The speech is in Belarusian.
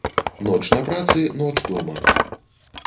Ноч на працы, ноч дома.